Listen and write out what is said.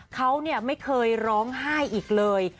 เขาไม่เคยร้องไห้อีกเลย